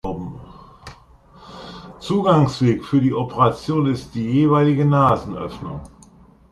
Zugangsweg für diese Operation ist die jeweilige Nasenöffnung.